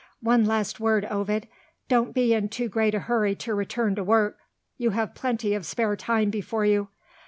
One last word, Ovid. Don't be in too great a hurry to return to work; you have plenty of spare time before you.